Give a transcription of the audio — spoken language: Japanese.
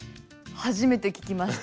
初めて聞きました。